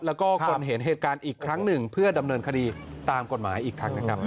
แล้วก็คนเห็นเหตุการณ์อีกครั้งหนึ่งเพื่อดำเนินคดีตามกฎหมายอีกครั้งนะครับ